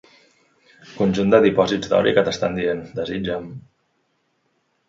Conjunt de dipòsits d'oli que t'estan dient: “desitja'm”.